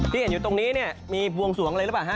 ที่เห็นอยู่ตรงนี้มีบวงสหวงอะไรหรือเปล่า